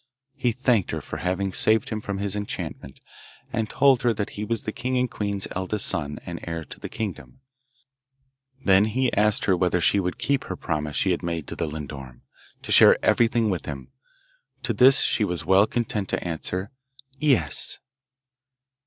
He thanked her for having saved him from his enchantment, and told her that he was the king and queen's eldest son, and heir to the kingdom. Then he asked her whether she would keep the promise she had made to the lindorm, to share everything with him. To this she was well content to answer 'Yes.